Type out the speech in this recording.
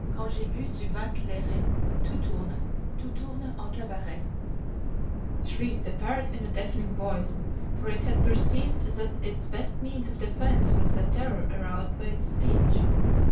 "'Quand j'ai bu du vin clairet, Tout tourne, tout tourne an cabaret,' shrieked the parrot in a deafening voice, for it had perceived that its best means of defence was the terror aroused by its speech.